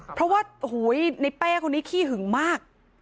เพราะว่าโอ้โหในเป้คนนี้ขี้หึงมาก